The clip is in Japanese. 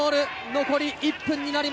残り１分！